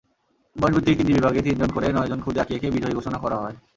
বয়সভিত্তিক তিনটি বিভাগে তিনজন করে নয়জন খুদে আঁকিয়েকে বিজয়ী ঘোষণা করা হয়।